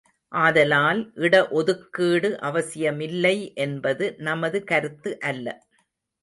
ஆதலால், இடஒதுக்கீடு அவசியமில்லை என்பது நமது கருத்து அல்ல.